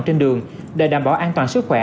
trên đường để đảm bảo an toàn sức khỏe